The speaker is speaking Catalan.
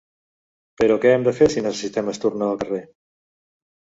Però què hem de fer si necessitem esternudar al carrer?